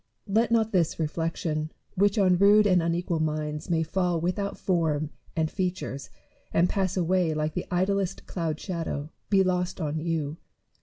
Let not this reflection, which on rude and unequal minds may fall without form and features and pass away like the idlest cloud shadow, be lost on you.